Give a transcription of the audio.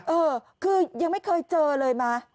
เออคือยังไม่เคยเจอเลยมั้ย